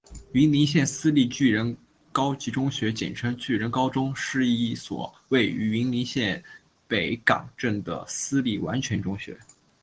云林县私立巨人高级中学简称巨人高中是一所位于云林县北港镇的私立完全中学。